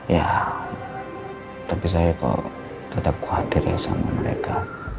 ya tapi saya kok tetap khawatir ya sama mereka